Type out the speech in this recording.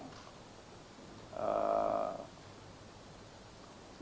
dikolongkan sebagai tindak pidana korupsi